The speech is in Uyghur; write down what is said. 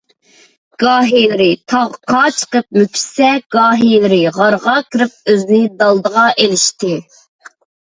گاھىلىرى تاغقا چىقىپ مۆكۈشسە، گاھىلىرى غارغا كىرىپ ئۆزىنى دالدىغا ئېلىشتى.